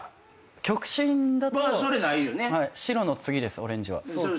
極真だと白の次ですオレンジは。